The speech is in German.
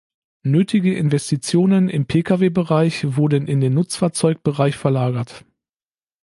Nötige Investitionen im Pkw-Bereich wurden in den Nutzfahrzeugbereich verlagert.